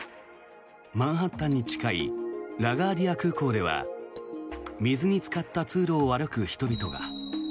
マンハッタンに近いラガーディア空港では水につかった通路を歩く人々が。